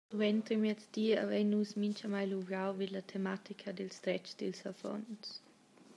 Suenter miezdi havein nus mintgamai luvrau vid la tematica dils dretgs dils affons.